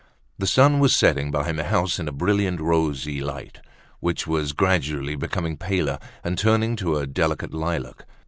The sun was setting behind the house in a brilliant rosy light, which was gradually becoming paler, and turning to a delicate lilac.